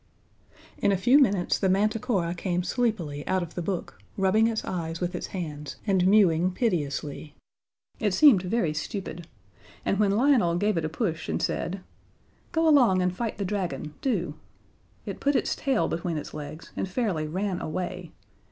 In a few minutes the Manticora came sleepily out of the book, rubbing its eyes with its hands and mewing piteously. It seemed very stupid, and when Lionel gave it a push and said, "Go along and fight the Dragon, do," it put its tail between its legs and fairly ran away.